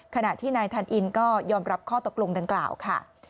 ขณะที่นายทันอินก็ยอมรับข้อตกลงดังกล่าวค่ะ